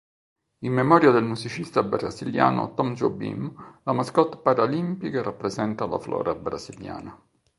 In memoria del musicista brasiliano Tom Jobim, la mascotte paralimpica rappresenta la flora brasiliana.